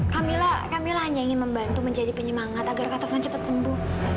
kamilah kamilah hanya ingin membantu menjadi penyemangat agar kak taufan cepat sembuh